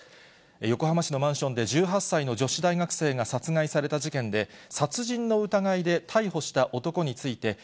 横浜市のマンションで、１８歳の女子大学生が殺害された事件で、殺人の疑いで逮捕した男について、以上、